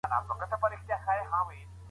د دوی ترمنځ نږدېوالی خورا اړين کار دی.